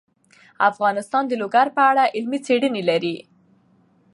افغانستان د لوگر په اړه علمي څېړنې لري.